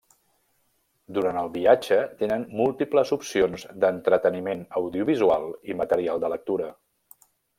Durant el viatge tenen múltiples opcions d'entreteniment audiovisual i material de lectura.